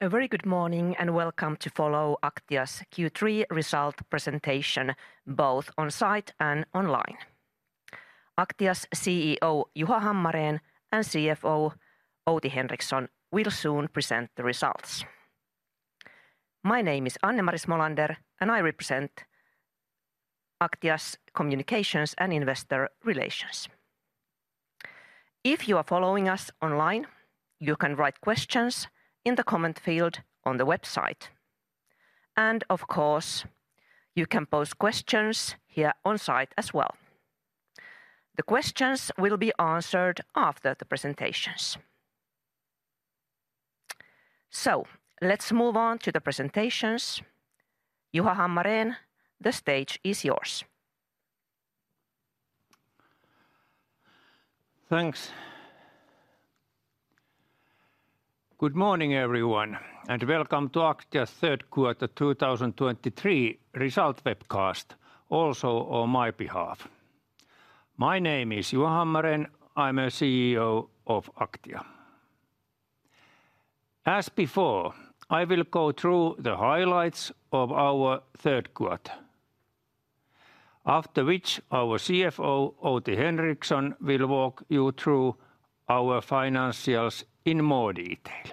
A very good morning, and welcome to follow Aktia's Q3 result presentation, both on site and online. Aktia's CEO, Juha Hammarén, and CFO, Outi Henriksson, will soon present the results. My name is Anne-Mari Smolander, and I represent Aktia's communications and investor relations. If you are following us online, you can write questions in the comment field on the website, and of course, you can pose questions here on site as well. The questions will be answered after the presentations. So let's move on to the presentations. Juha Hammarén, the stage is yours. Thanks. Good morning, everyone, and welcome to Aktia's third quarter 2023 result webcast, also on my behalf. My name is Juha Hammarén. I'm a CEO of Aktia. As before, I will go through the highlights of our third quarter, after which our CFO, Outi Henriksson, will walk you through our financials in more detail.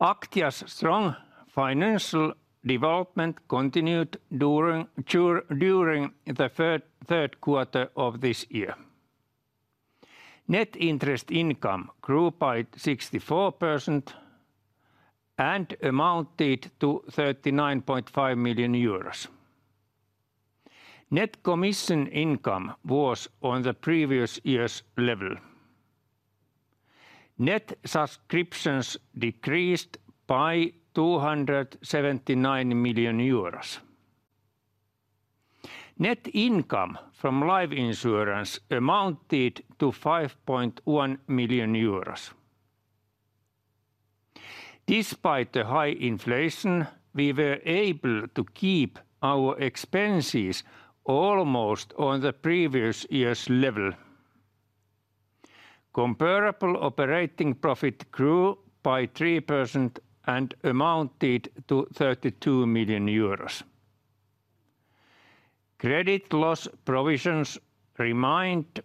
Aktia's strong financial development continued during the third quarter of this year. Net interest income grew by 64% and amounted to 39.5 million euros. Net commission income was on the previous year's level. Net subscriptions decreased by 279 million euros. Net income from life insurance amounted to EUR 5.1 million. Despite the high inflation, we were able to keep our expenses almost on the previous year's level. Comparable operating profit grew by 3% and amounted to 32 million euros. Credit loss provisions remained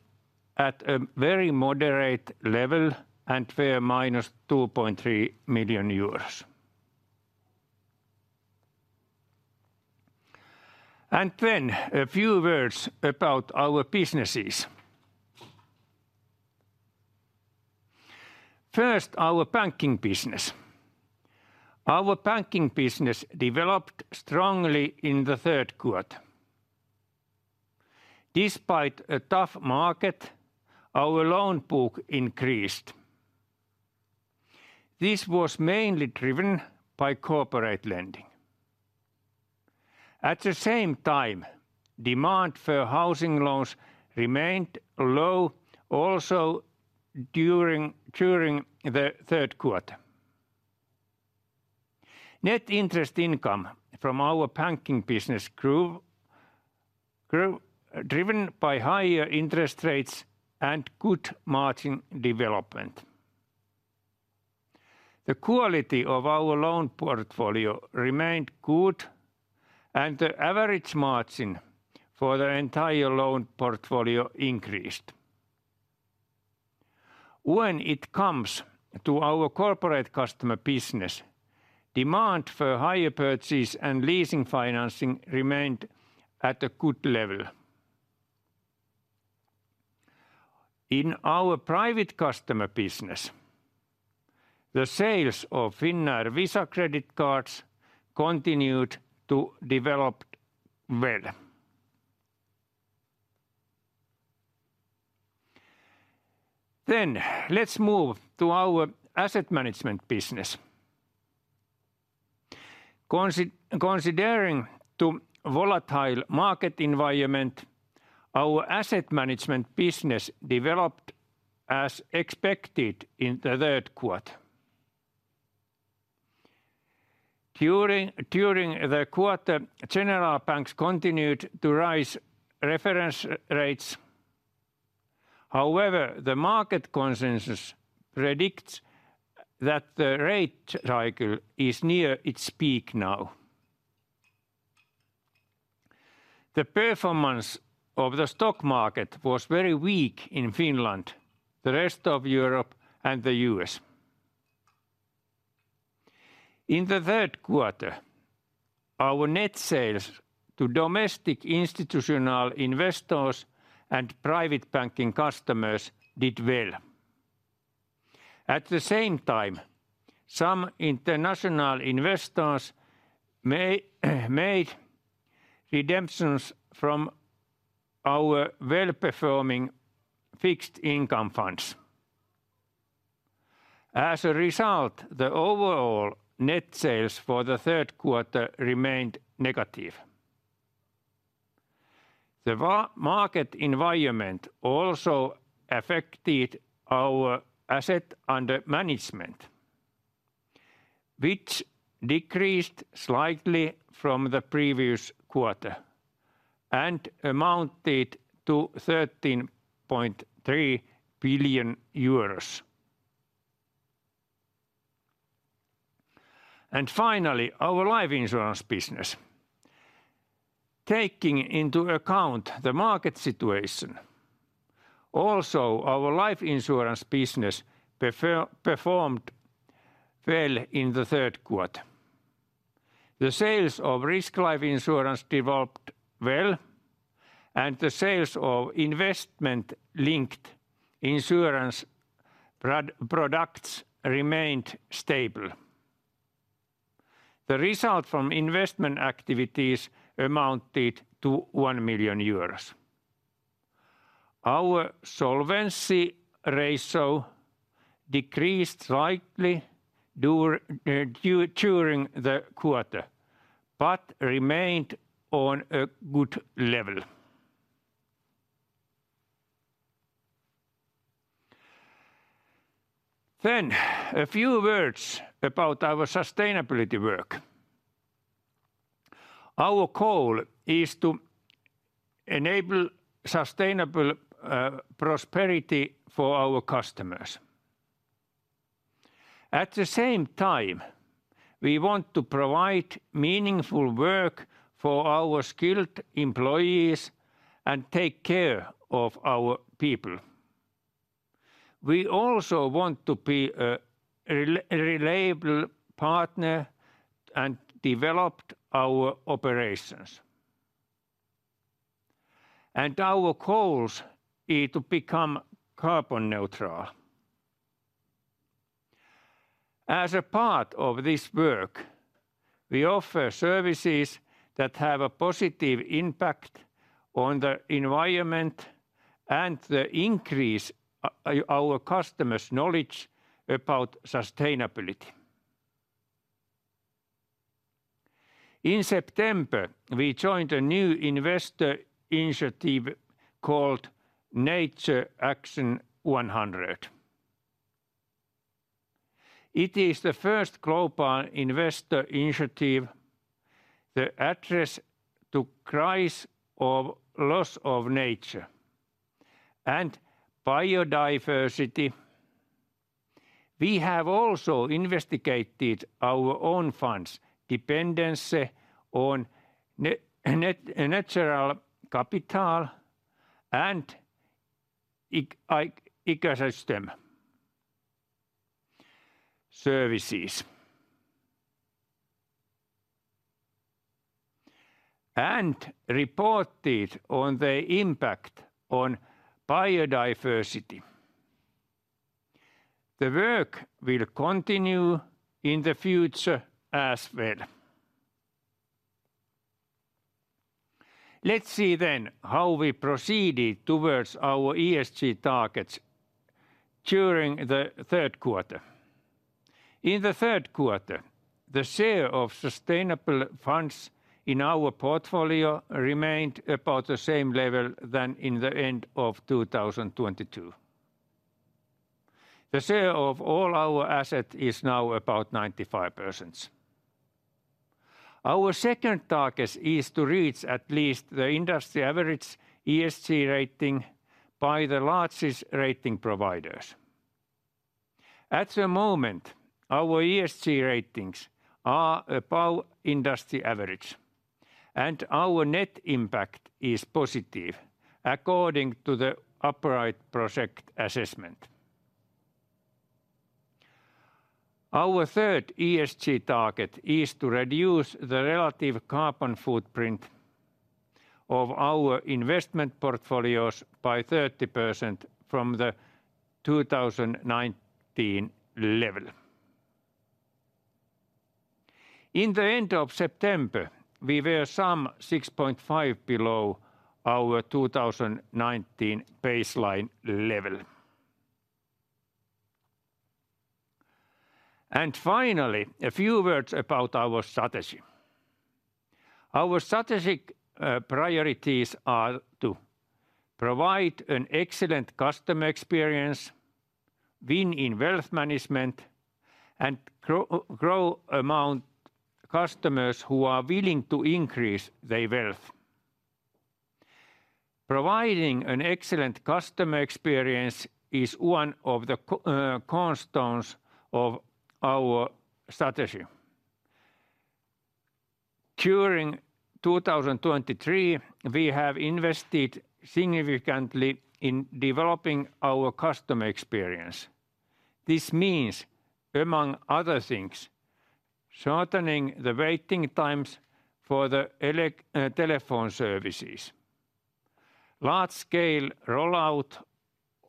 at a very moderate level and were EUR -2.3 million. Then a few words about our businesses. First, our banking business. Our banking business developed strongly in the third quarter. Despite a tough market, our loan book increased. This was mainly driven by corporate lending. At the same time, demand for housing loans remained low, also during the third quarter. Net interest income from our banking business grew, driven by higher interest rates and good margin development. The quality of our loan portfolio remained good, and the average margin for the entire loan portfolio increased. When it comes to our corporate customer business, demand for hire purchases and leasing financing remained at a good level. In our private customer business, the sales of Finnair Visa credit cards continued to developed well. Let's move to our asset management business. Considering the volatile market environment, our asset management business developed as expected in the third quarter. During the quarter, central banks continued to raise reference rates. However, the market consensus predicts that the rate cycle is near its peak now. The performance of the stock market was very weak in Finland, the rest of Europe, and the U.S. In the third quarter, our net sales to domestic institutional investors and private banking customers did well. At the same time, some international investors made redemptions from our well-performing fixed income funds. As a result, the overall net sales for the third quarter remained negative. The market environment also affected our assets under management, which decreased slightly from the previous quarter and amounted to EUR 13.3 billion. And finally, our life insurance business. Taking into account the market situation, also our life insurance business performed well in the third quarter. The sales of risk life insurance developed well, and the sales of investment-linked insurance products remained stable. The result from investment activities amounted to 1 million euros. Our solvency ratio decreased slightly during the quarter, but remained on a good level. A few words about our sustainability work. Our goal is to enable sustainable prosperity for our customers. At the same time, we want to provide meaningful work for our skilled employees and take care of our people. We also want to be a reliable partner and develop our operations. Our goals is to become carbon neutral. As a part of this work, we offer services that have a positive impact on the environment and increase our customers' knowledge about sustainability. In September, we joined a new investor initiative called Nature Action 100. It is the first global investor initiative to address the crisis of loss of nature and biodiversity. We have also investigated our own funds' dependence on natural capital and ecosystem services and reported on the impact on biodiversity. The work will continue in the future as well. Let's see then how we proceeded towards our ESG targets during the third quarter. In the third quarter, the share of sustainable funds in our portfolio remained about the same level than in the end of 2022. The share of all our asset is now about 95%. Our second target is to reach at least the industry average ESG rating by the largest rating providers. At the moment, our ESG ratings are above industry average, and our net impact is positive according to the Upright Project assessment. Our third ESG target is to reduce the relative carbon footprint of our investment portfolios by 30% from the 2019 level. In the end of September, we were some 6.5 below our 2019 baseline level. Finally, a few words about our strategy. Our strategic priorities are to provide an excellent customer experience, win in wealth management, and grow among customers who are willing to increase their wealth. Providing an excellent customer experience is one of the cornerstones of our strategy. During 2023, we have invested significantly in developing our customer experience. This means, among other things, shortening the waiting times for the telephone services, large-scale rollout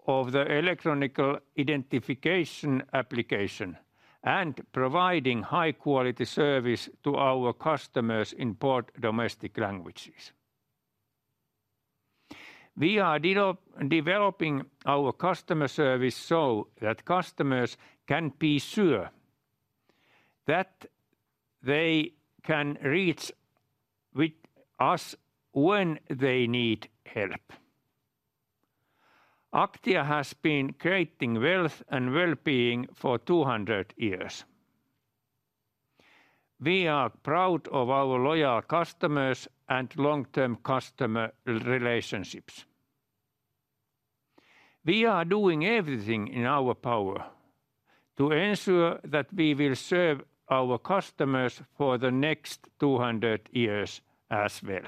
of the electronic identification application, and providing high-quality service to our customers in both domestic languages. We are developing our customer service so that customers can be sure that they can reach with us when they need help.... Aktia has been creating wealth and wellbeing for 200 years. We are proud of our loyal customers and long-term customer relationships. We are doing everything in our power to ensure that we will serve our customers for the next 200 years as well.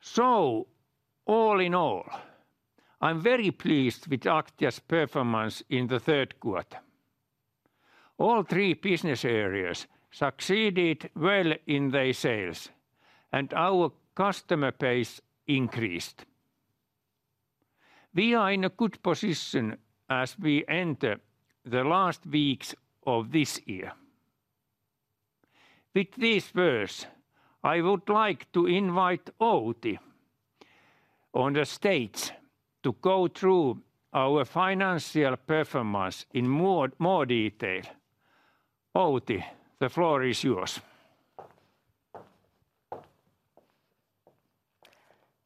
So all in all, I'm very pleased with Aktia's performance in the third quarter. All three business areas succeeded well in their sales, and our customer base increased. We are in a good position as we enter the last weeks of this year. With this verse, I would like to invite Outi on the stage to go through our financial performance in more, more detail. Outi, the floor is yours.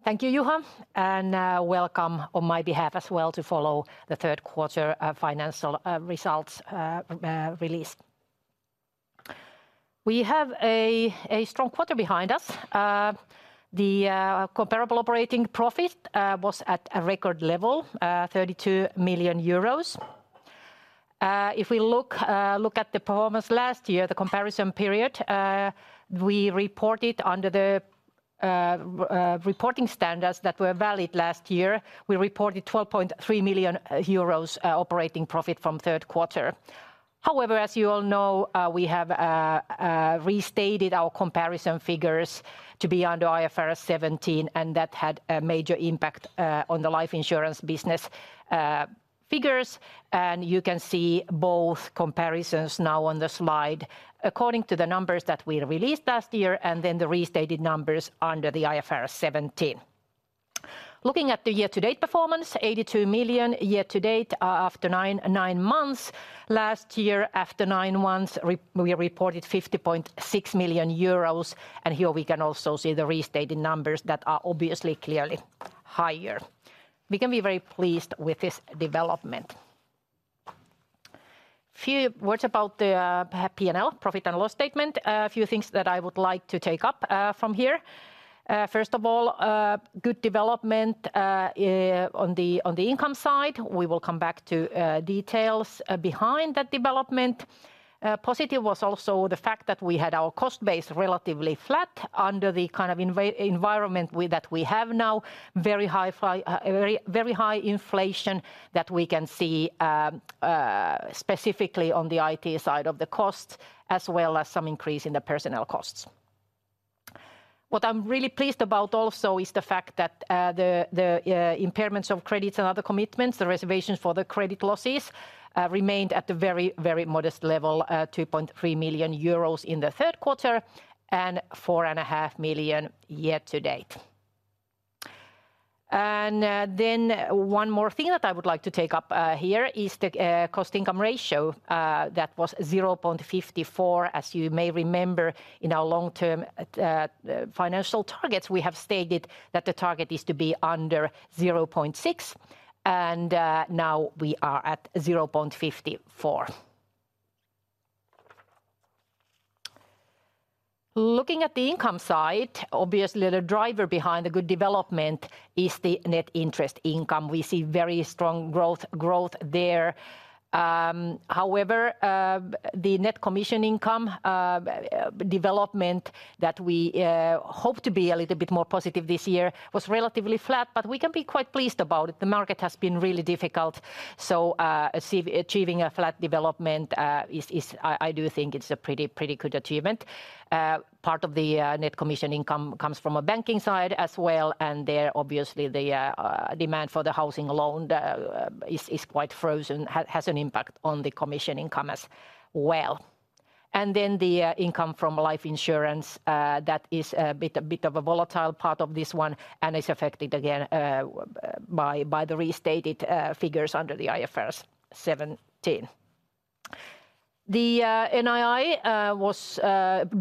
Thank you, Juha, and welcome on my behalf as well to follow the third quarter financial results release. We have a strong quarter behind us. The comparable operating profit was at a record level, 32 million euros. If we look at the performance last year, the comparison period, we reported under the reporting standards that were valid last year, we reported 12.3 million euros operating profit from third quarter. However, as you all know, we have restated our comparison figures to be under IFRS 17, and that had a major impact on the life insurance business figures. And you can see both comparisons now on the slide according to the numbers that we released last year, and then the restated numbers under the IFRS 17. Looking at the year-to-date performance, 82 million year to date, after nine months. Last year, after nine months, we reported 50.6 million euros, and here we can also see the restated numbers that are obviously clearly higher. We can be very pleased with this development. Few words about the P&L, profit and loss statement. A few things that I would like to take up, from here. First of all, a good development, on the, on the income side. We will come back to, details, behind that development. Positive was also the fact that we had our cost base relatively flat under the kind of environment with that we have now, very, very high inflation that we can see, specifically on the IT side of the cost, as well as some increase in the personnel costs. What I'm really pleased about also is the fact that, the impairments of credits and other commitments, the reservations for the credit losses, remained at the very, very modest level, 2.3 million euros in the third quarter and 4.5 million year to date. Then one more thing that I would like to take up here is the cost-income ratio that was 0.54. As you may remember, in our long-term financial targets, we have stated that the target is to be under 0.6, and now we are at 0.54. Looking at the income side, obviously the driver behind the good development is the net interest income. We see very strong growth, growth there. However, the net commission income development that we hoped to be a little bit more positive this year, was relatively flat, but we can be quite pleased about it. The market has been really difficult, so achieving a flat development is. I do think it's a pretty, pretty good achievement. Part of the net commission income comes from a banking side as well, and there, obviously, the demand for the housing loan is quite frozen, has an impact on the commission income as well. And then the income from life insurance that is a bit of a volatile part of this one and is affected again by the restated figures under the IFRS 17. The NII was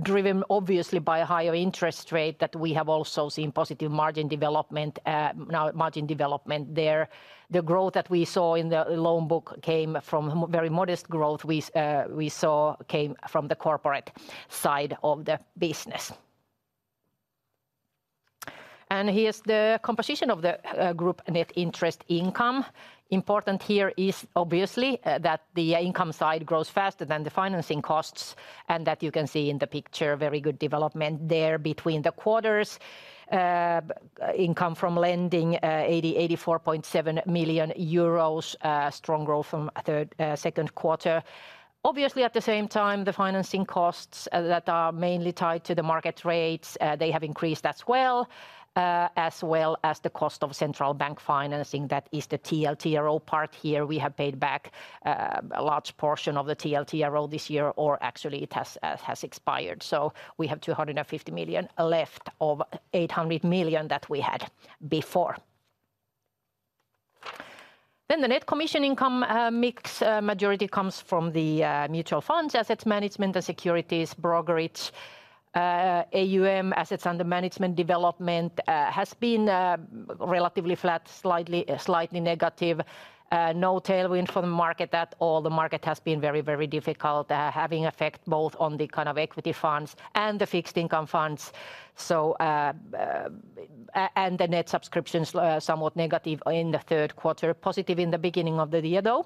driven obviously by a higher interest rate that we have also seen positive margin development, now margin development there. The growth that we saw in the loan book came from very modest growth we saw came from the corporate side of the business. And here's the composition of the group net interest income. Important here is obviously that the income side grows faster than the financing costs, and that you can see in the picture, very good development there between the quarters. Income from lending, 84.7 million euros, strong growth from third, second quarter. Obviously, at the same time, the financing costs that are mainly tied to the market rates, they have increased as well, as well as the cost of central bank financing. That is the TLTRO part here. We have paid back a large portion of the TLTRO this year, or actually it has expired. So we have 250 million left of 800 million that we had before. Then the net commission income makes majority comes from the mutual funds, asset management, the securities brokerage, AUM, assets under management development has been relatively flat, slightly, slightly negative. No tailwind for the market at all. The market has been very, very difficult having effect both on the kind of equity funds and the fixed income funds. So, and the net subscriptions somewhat negative in the third quarter. Positive in the beginning of the year, though.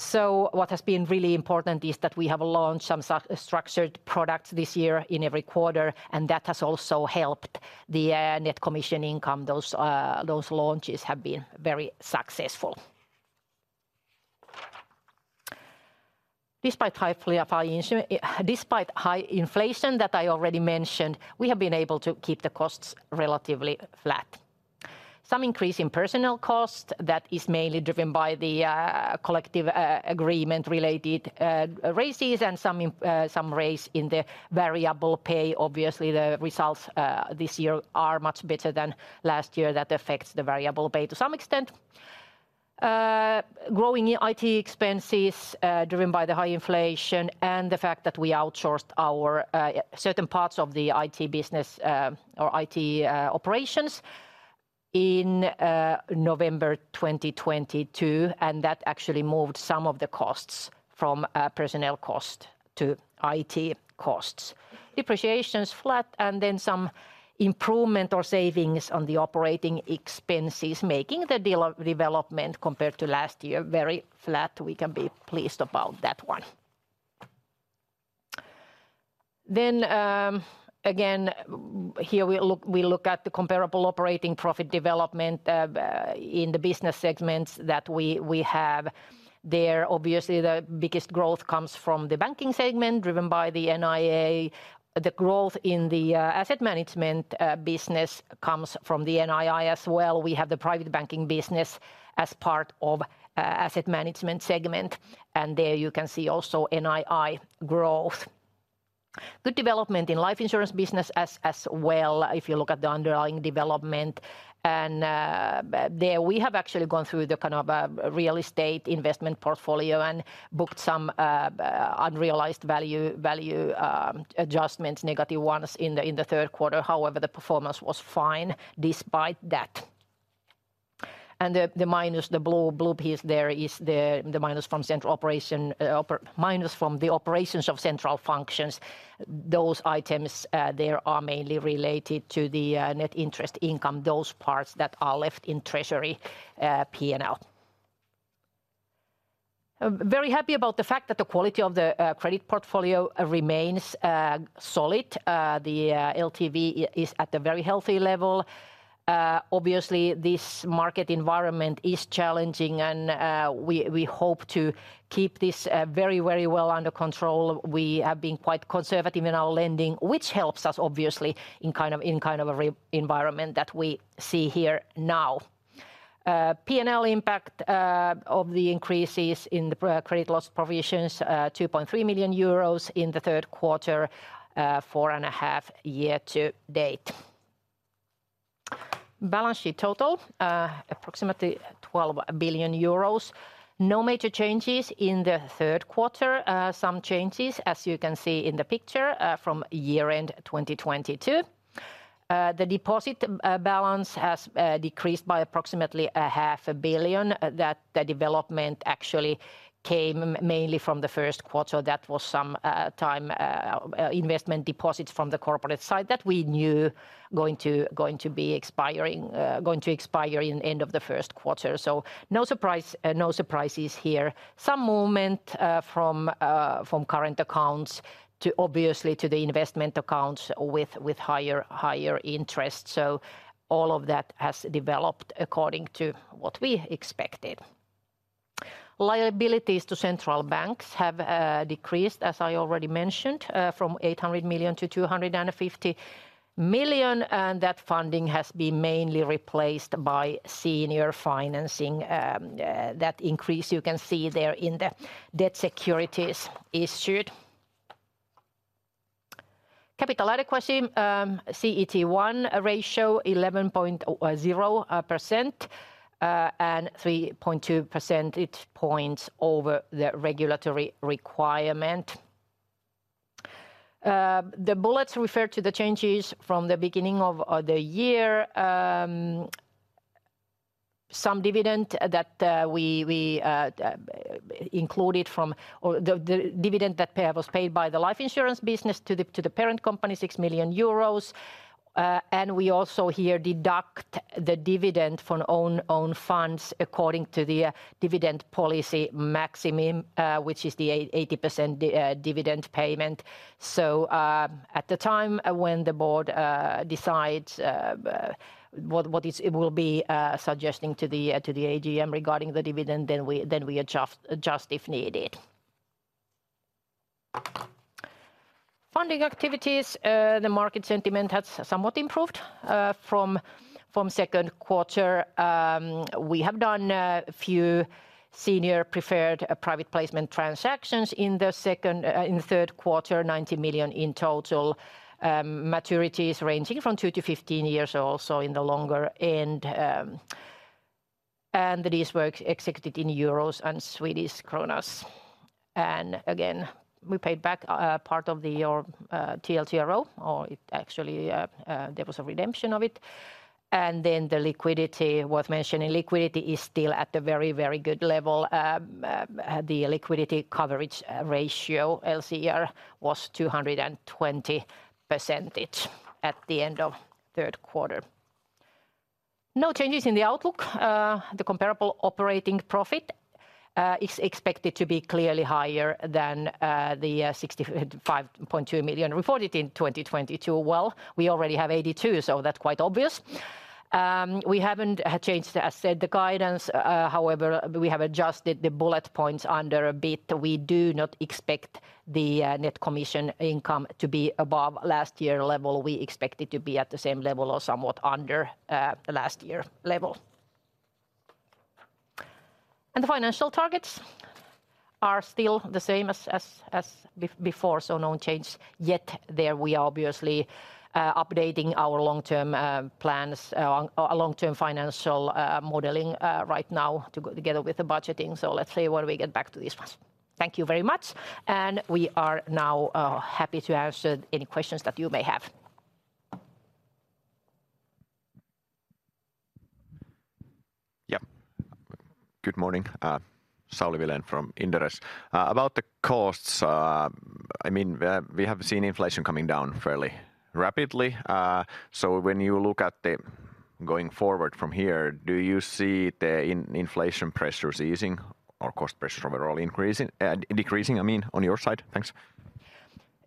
So what has been really important is that we have launched some structured products this year in every quarter, and that has also helped the net commission income. Those launches have been very successful. Despite high inflation that I already mentioned, we have been able to keep the costs relatively flat. Some increase in personnel cost, that is mainly driven by the collective agreement related raises and some raise in the variable pay. Obviously, the results this year are much better than last year. That affects the variable pay to some extent. Growing IT expenses driven by the high inflation and the fact that we outsourced our certain parts of the IT business, or IT operations in November 2022, and that actually moved some of the costs from personnel cost to IT costs. Depreciation is flat, and then some improvement or savings on the operating expenses, making the overall development compared to last year very flat. We can be pleased about that one. Then, again, where we look at the comparable operating profit development in the business segments that we have. There, obviously, the biggest growth comes from the banking segment, driven by the NII. The growth in the asset management business comes from the NII as well. We have the private banking business as part of asset management segment, and there you can see also NII growth. Good development in life insurance business as well, if you look at the underlying development. And there we have actually gone through the kind of real estate investment portfolio and booked some unrealized value adjustments, negative ones, in the third quarter. However, the performance was fine despite that. The minus, the blue piece there is the minus from central operation, minus from the operations of central functions. Those items there are mainly related to the net interest income, those parts that are left in treasury P&L. I'm very happy about the fact that the quality of the credit portfolio remains solid. The LTV is at a very healthy level. Obviously, this market environment is challenging, and we hope to keep this very, very well under control. We have been quite conservative in our lending, which helps us, obviously, in kind of an environment that we see here now. P&L impact of the increases in the credit loss provisions, 2.3 million euros in the third quarter, 4.5 million year to date. Balance sheet total, approximately 12 billion euros. No major changes in the third quarter. Some changes, as you can see in the picture, from year-end 2022. The deposit balance has decreased by approximately 0.5 billion. That, the development actually came mainly from the first quarter. That was some time, investment deposits from the corporate side that we knew going to expire in end of the first quarter. So no surprise, no surprises here. Some movement from current accounts to obviously to the investment accounts with higher interest. So all of that has developed according to what we expected. Liabilities to central banks have decreased, as I already mentioned, from 800 million to 250 million, and that funding has been mainly replaced by senior financing. That increase you can see there in the debt securities issued. Capital adequacy, CET1 ratio, 11.0%, and 3.2 percentage points over the regulatory requirement. The bullets refer to the changes from the beginning of the year. Some dividend that we included from or the dividend that was paid by the life insurance business to the parent company, 6 million euros. We also here deduct the dividend from own funds according to the dividend policy maximum, which is the 80% dividend payment. So, at the time when the board decides what it will be suggesting to the AGM regarding the dividend, then we adjust if needed. Funding activities, the market sentiment has somewhat improved from second quarter. We have done a few senior preferred private placement transactions in the third quarter, 90 million in total. Maturities ranging from 2-15 years, so also in the longer end, and these were executed in euros and Swedish kronor. And again, we paid back a part of the year, TLTRO, or it actually, there was a redemption of it. Then the liquidity worth mentioning, liquidity is still at the very, very good level. The liquidity coverage ratio, LCR, was 220% at the end of third quarter. No changes in the outlook. The comparable operating profit is expected to be clearly higher than the 65.2 million reported in 2022. Well, we already have 82 million, so that's quite obvious. We haven't changed, as said, the guidance, however, we have adjusted the bullet points under a bit. We do not expect the net commission income to be above last year level. We expect it to be at the same level or somewhat under the last year level. And the financial targets are still the same as before, so no change yet there. We are obviously updating our long-term plans, our long-term financial modeling, right now together with the budgeting, so let's see when we get back to this one. Thank you very much, and we are now happy to answer any questions that you may have. Yeah. Good morning, Sauli Vilén from Inderes. About the costs, I mean, we, we have seen inflation coming down fairly rapidly. So when you look at the... going forward from here, do you see the inflation pressures easing or cost pressures overall increasing, decreasing, I mean,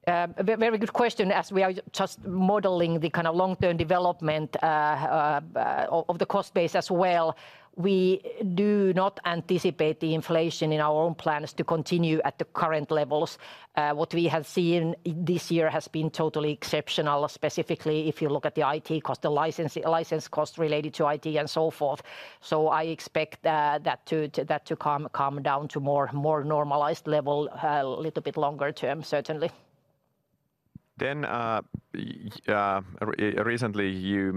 on your side? Thanks. Very good question, as we are just modeling the kind of long-term development of the cost base as well. We do not anticipate the inflation in our own plans to continue at the current levels. What we have seen this year has been totally exceptional, specifically if you look at the IT cost, the licensing, license costs related to IT, and so forth. So I expect that to calm down to more normalized level a little bit longer term, certainly. Then, recently, you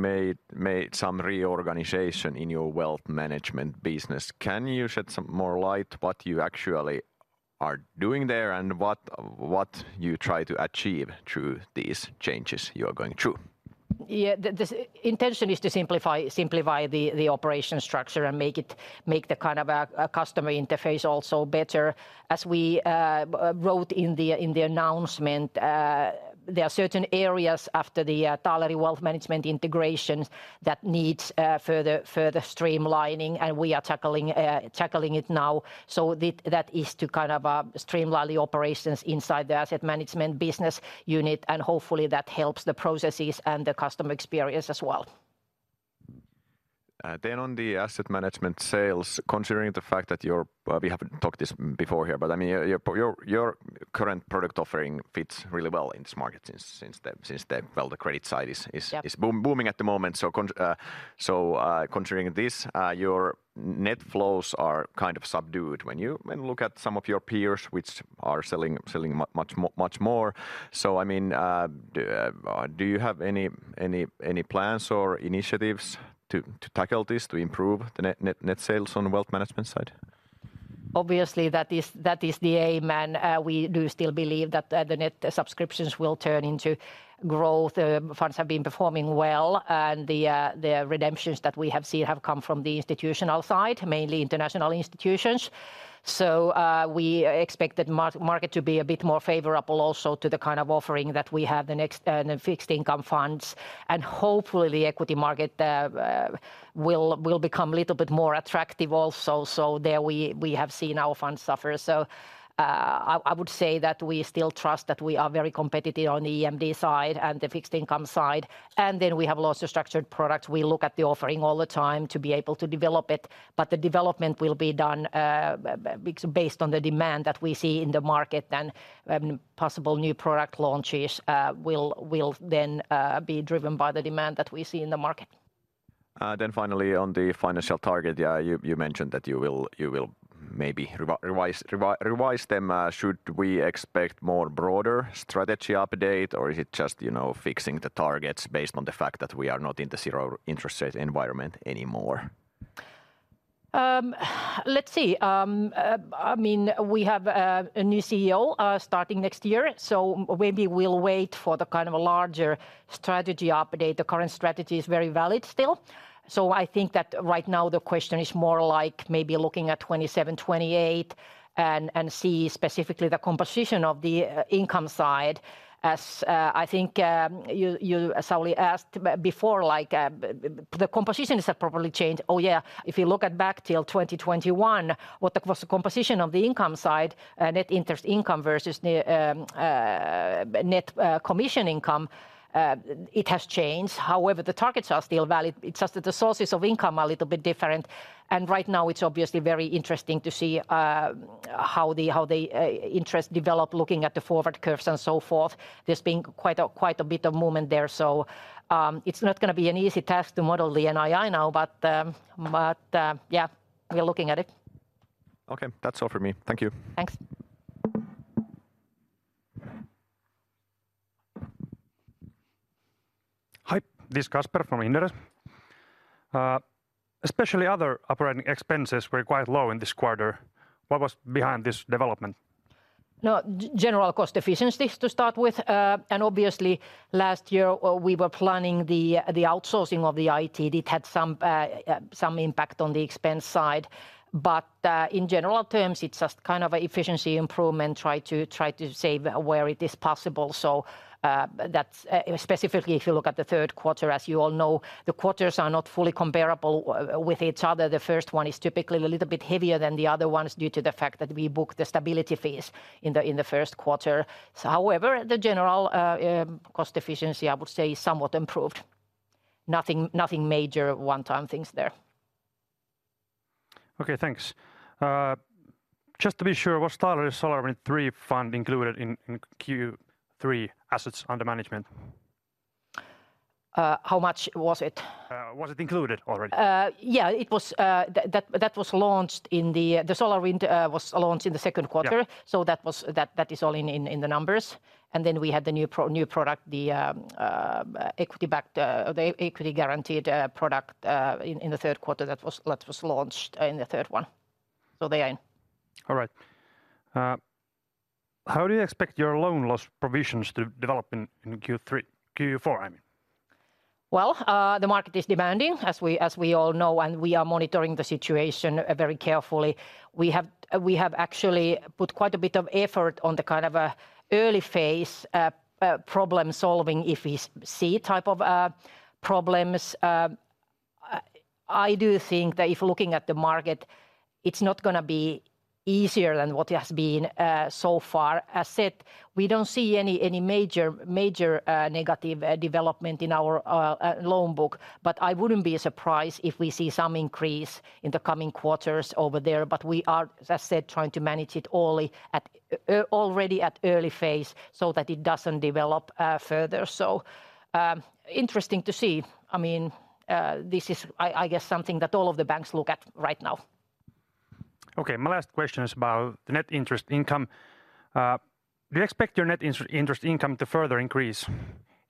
made some reorganization in your wealth management business. Can you shed some more light on what you actually are doing there, and what you try to achieve through these changes you are going through? Yeah, the intention is to simplify the operation structure and make it the kind of a customer interface also better. As we wrote in the announcement, there are certain areas after the Taaleri Wealth Management integration that needs further streamlining, and we are tackling it now. So that is to kind of streamline the operations inside the asset management business unit, and hopefully that helps the processes and the customer experience as well. Then on the asset management sales, considering the fact that we have talked this before here, but I mean, your current product offering fits really well in this market since the well, the credit side is- Yeah... is booming at the moment. So, considering this, your net flows are kind of subdued. When you look at some of your peers, which are selling much more, so I mean, do you have any plans or initiatives to tackle this, to improve the net sales on the wealth management side? Obviously, that is, that is the aim, and, we do still believe that, the net subscriptions will turn into growth. Funds have been performing well, and the, the redemptions that we have seen have come from the institutional side, mainly international institutions. So, we expect the market to be a bit more favorable, also to the kind of offering that we have the next, the fixed income funds. And hopefully, the equity market, will, will become a little bit more attractive also. So there we, we have seen our funds suffer. So, I, I would say that we still trust that we are very competitive on the EMD side and the fixed income side, and then we have also structured products. We look at the offering all the time to be able to develop it, but the development will be done based on the demand that we see in the market, and possible new product launches will then be driven by the demand that we see in the market. Then finally, on the financial target, yeah, you mentioned that you will maybe revise them. Should we expect more broader strategy update, or is it just, you know, fixing the targets based on the fact that we are not in the zero interest rate environment anymore? Let's see. I mean, we have a new CEO starting next year, so maybe we'll wait for the kind of a larger strategy update. The current strategy is very valid still. So I think that right now the question is more like maybe looking at 2027, 2028 and see specifically the composition of the income side. As I think, you, you, Sauli, asked before, like, the composition has properly changed. Oh, yeah, if you look back till 2021, what was the composition of the income side, net interest income versus the net commission income, it has changed. However, the targets are still valid. It's just that the sources of income are a little bit different, and right now it's obviously very interesting to see how the interest develop, looking at the forward curves and so forth. There's been quite a bit of movement there, so it's not gonna be an easy task to model the NII now, but yeah, we're looking at it. Okay, that's all for me. Thank you. Thanks. ... Hi, this is Kasper from Inderes. Especially other operating expenses were quite low in this quarter. What was behind this development? No, general cost efficiencies to start with. And obviously last year, we were planning the, the outsourcing of the IT. It had some, some impact on the expense side. But, in general terms, it's just kind of a efficiency improvement, try to, try to save where it is possible. So, that's. Specifically, if you look at the third quarter, as you all know, the quarters are not fully comparable with each other. The first one is typically a little bit heavier than the other ones, due to the fact that we book the stability fees in the, in the first quarter. So however, the general, cost efficiency, I would say, is somewhat improved. Nothing, nothing major one-time things there. Okay, thanks. Just to be sure, was SolarWind III fund included in Q3 assets under management? How much was it? Was it included already? Yeah, it was. That was launched in the second quarter. The Solar Wind was launched in the second quarter. Yeah. So that was that is all in the numbers. And then we had the new product, the equity-backed, the equity guaranteed product, in the third quarter that was launched in the third one. So they are in. All right. How do you expect your loan loss provisions to develop in Q3... Q4, I mean? Well, the market is demanding, as we all know, and we are monitoring the situation very carefully. We have actually put quite a bit of effort on the kind of a early phase problem-solving, if we see type of problems. I do think that if looking at the market, it's not gonna be easier than what it has been so far. As said, we don't see any major negative development in our loan book, but I wouldn't be surprised if we see some increase in the coming quarters over there. But we are, as I said, trying to manage it early at already at early phase so that it doesn't develop further. So, interesting to see. I mean, this is, I guess, something that all of the banks look at right now. Okay, my last question is about the net interest income. Do you expect your net interest income to further increase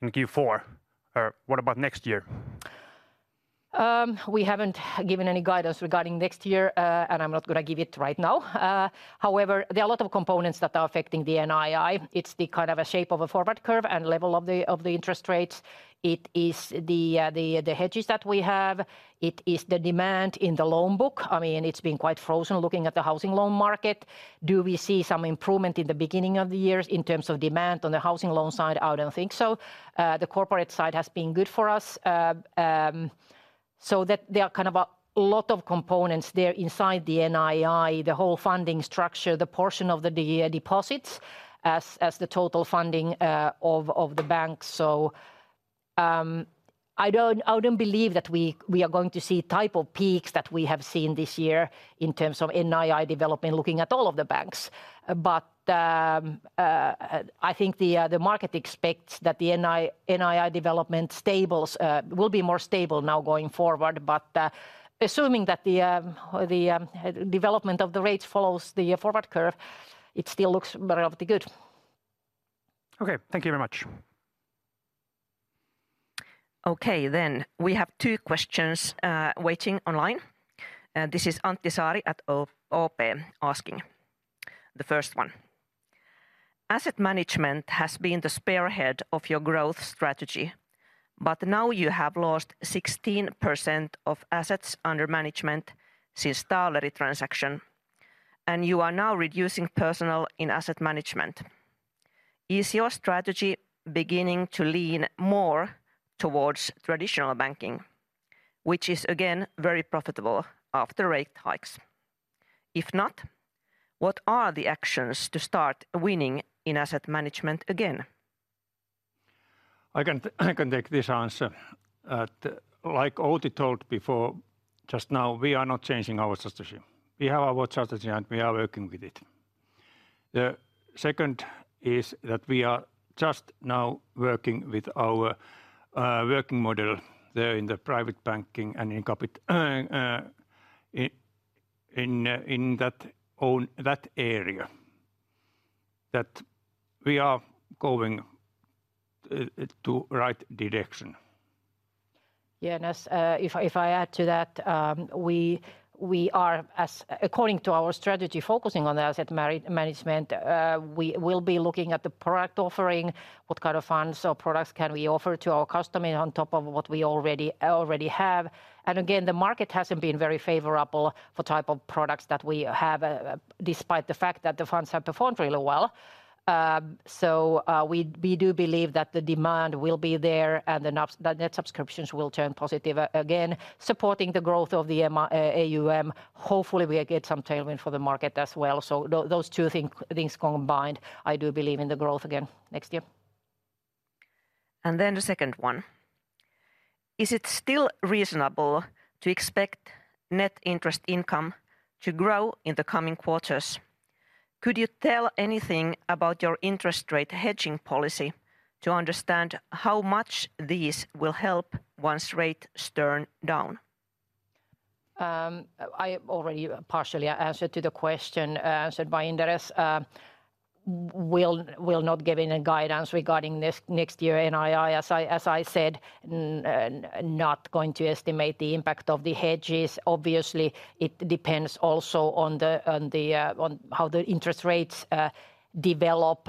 in Q4, or what about next year? We haven't given any guidance regarding next year, and I'm not gonna give it right now. However, there are a lot of components that are affecting the NII. It's the kind of a shape of a forward curve and level of the interest rates. It is the hedges that we have. It is the demand in the loan book. I mean, it's been quite frozen looking at the housing loan market. Do we see some improvement in the beginning of the years in terms of demand on the housing loan side? I don't think so. The corporate side has been good for us. So that there are kind of a lot of components there inside the NII, the whole funding structure, the portion of the deposits, as the total funding, of the bank. I don't, I don't believe that we, we are going to see type of peaks that we have seen this year in terms of NII development, looking at all of the banks. I think the market expects that the NII development stabilizes will be more stable now going forward. Assuming that the development of the rates follows the forward curve, it still looks relatively good. Okay, thank you very much. Okay, then we have two questions waiting online. This is Anssi Huhta at OP asking the first one: Asset management has been the spearhead of your growth strategy, but now you have lost 16% of assets under management since Taaleri transaction, and you are now reducing personnel in asset management. Is your strategy beginning to lean more towards traditional banking, which is again very profitable after rate hikes? If not, what are the actions to start winning in asset management again? I can, I can take this answer. Like Outi told before, just now, we are not changing our strategy. We have our strategy, and we are working with it. The second is that we are just now working with our working model there in the private banking and in that area, that we are going to right direction. Yes, if I add to that, we are, according to our strategy, focusing on the asset management. We will be looking at the product offering, what kind of funds or products can we offer to our customer on top of what we already have. And again, the market hasn't been very favorable for type of products that we have, despite the fact that the funds have performed really well. So, we do believe that the demand will be there, and the net subscriptions will turn positive again, supporting the growth of the AUM. Hopefully, we get some tailwind for the market as well. So those two things combined, I do believe in the growth again next year. And then the second one: Is it still reasonable to expect net interest income to grow in the coming quarters? Could you tell anything about your interest rate hedging policy to understand how much these will help once rates turn down? I already partially answered to the question answered by Inderes. We'll not give any guidance regarding next year NII. As I said, not going to estimate the impact of the hedges. Obviously, it depends also on how the interest rates develop.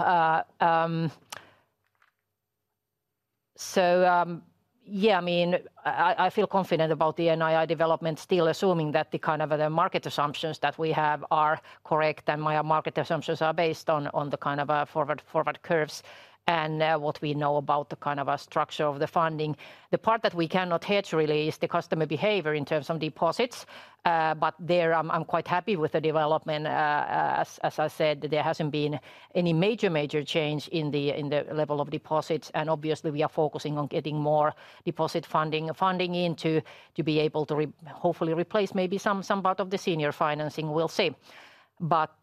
Yeah, I mean, I feel confident about the NII development, still assuming that the kind of market assumptions that we have are correct, and my market assumptions are based on the kind of forward curves and what we know about the kind of a structure of the funding. The part that we cannot hedge really is the customer behavior in terms of deposits, but there, I'm quite happy with the development. As I said, there hasn't been any major change in the level of deposits, and obviously we are focusing on getting more deposit funding in to be able to hopefully replace maybe some part of the senior financing. We'll see. But,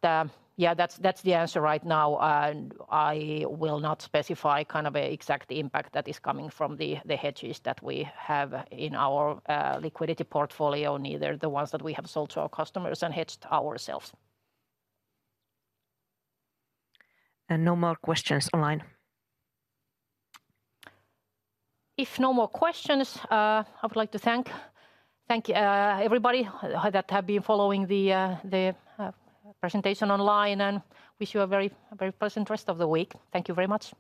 yeah, that's the answer right now. I will not specify kind of a exact impact that is coming from the hedges that we have in our liquidity portfolio, neither the ones that we have sold to our customers and hedged ourselves. No more questions online. If no more questions, I would like to thank everybody that have been following the presentation online, and wish you a very pleasant rest of the week. Thank you very much.